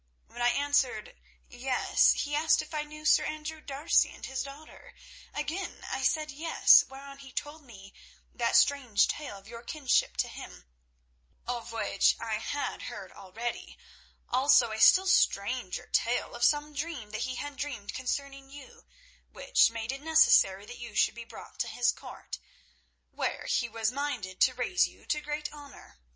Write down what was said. When I answered yes, he asked if I knew Sir Andrew D'Arcy and his daughter. Again I said yes, whereon he told me that strange tale of your kinship to him, of which I had heard already; also a still stranger tale of some dream that he had dreamed concerning you, which made it necessary that you should be brought to his court, where he was minded to raise you to great honour.